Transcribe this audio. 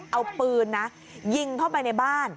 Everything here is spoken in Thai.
เอาปืนนะยิงเข้าไปในบ้าน